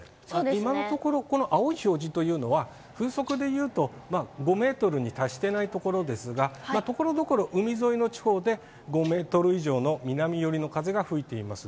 今のところこの青い表示というのは、風速で言うと５メートルに達してない所ですが、ところどころ、海沿いの地方で５メートル以上の南寄りの風が吹いています。